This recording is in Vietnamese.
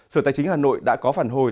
sở tài chính hà nội đã có phản hồi